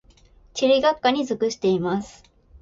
地理学科に属しています。